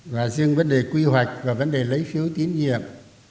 và riêng vấn đề quy hoạch và vấn đề lấy phiếu tín nhiệm